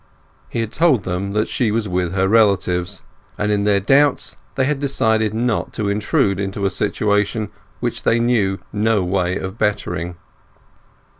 He had told them that she was with her relatives, and in their doubts they had decided not to intrude into a situation which they knew no way of bettering.